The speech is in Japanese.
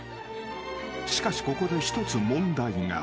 ［しかしここで一つ問題が］